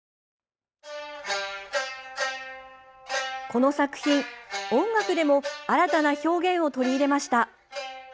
この作品、音楽でも新たな表現を取り入れました。